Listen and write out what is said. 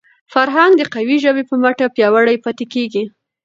فرهنګ د قوي ژبي په مټ پیاوړی پاتې کېږي.